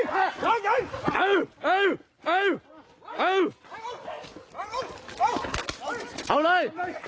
เอาเลยเอาเลยเอาเลย